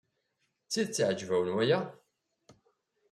D tidet iɛjeb-awen waya?